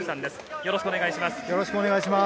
よろしくお願いします。